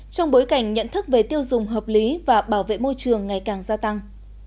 trong bối cảnh nhận thức về tiêu dùng hợp lý và bảo vệ môi trường ngày càng gia tăng